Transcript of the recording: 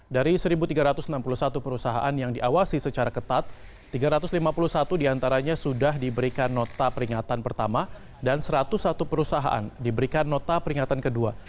dari satu tiga ratus enam puluh satu perusahaan yang diawasi secara ketat tiga ratus lima puluh satu diantaranya sudah diberikan nota peringatan pertama dan satu ratus satu perusahaan diberikan nota peringatan kedua